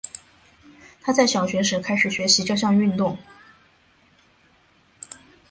她在小学时开始学习这项运动。